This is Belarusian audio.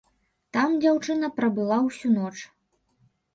Там дзяўчына прабыла ўсю ноч.